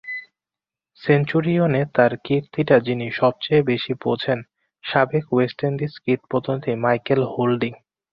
সেঞ্চুরিয়নে তাঁর কীর্তিটা যিনি সবচেয়ে বেশি বোঝেন—সাবেক ওয়েস্ট ইন্ডিজ কিংবদন্তি মাইকেল হোল্ডিং।